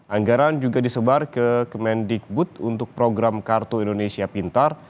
anggaran juga disebar ke kemendikbud untuk program kartu indonesia pintar